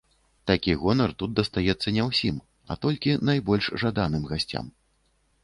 Такі гонар тут дастаецца не ўсім, а толькі найбольш жаданым гасцям.